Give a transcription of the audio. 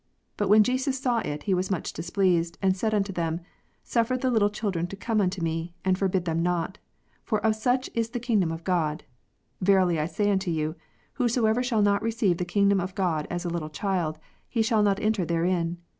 But when Jesus saw it, He was much displeased, and said unto them, Suffer the little children to come unto Me, and forbid them not : for of such is the kingdom of God. Yerily I say unto you, "Whosoever shall not receive the kingdom of God as a little child, he shall not enter therein.